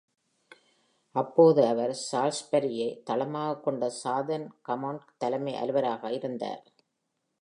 அப்போது அவர் சாலிஸ்பரியை தளமாகக் கொண்ட சாதன் கம்மெண்ட் தலைமை அலுவலராக இருந்தார்.